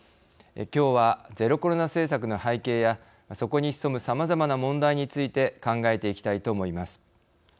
きょうはゼロコロナ政策の背景やそこに潜むさまざまな問題について考えていきたいと思います。